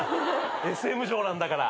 ＳＭ嬢なんだから。